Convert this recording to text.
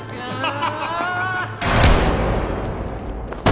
ハハハハ！